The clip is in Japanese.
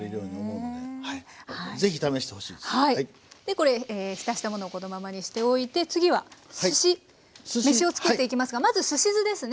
これ浸したものをこのままにしておいて次はすし飯を作っていきますがまずすし酢ですね。